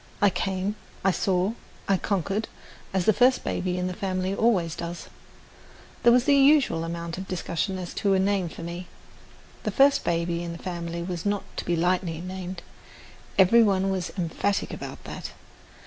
I came, I saw, I conquered, as the first baby in the family always does. There was the usual amount of discussion as to a name for me. The first baby in the family was not to be lightly named, every one was emphatic about that.